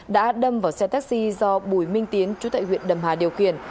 đã đâm vào xe taxi do bùi minh tiến chú tại huyện đầm hà điều khiển